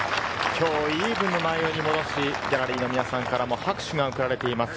今日イーブンに戻し、ギャラリーの皆さんからも大きな拍手が送られています。